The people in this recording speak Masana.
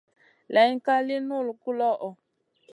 Layn ka li nullu guloʼo.